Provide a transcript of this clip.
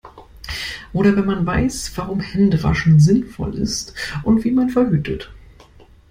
Oder wenn man weiß, warum Hände waschen sinnvoll ist und wie man verhütet.